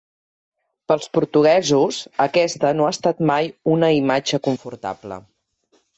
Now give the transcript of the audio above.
Pels portuguesos, aquesta no ha estat mai una imatge confortable.